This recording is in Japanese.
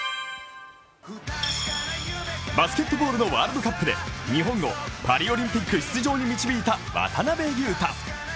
バスケットボールのワールドカップで日本をパリオリンピック出場に導いた渡邊雄太。